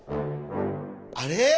あれ？